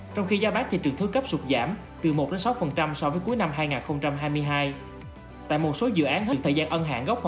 trong khi gia bán trên thị trường thư cấp sụt giảm từ một sáu so với cuối năm hai nghìn hai mươi hai